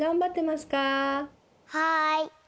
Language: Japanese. はい。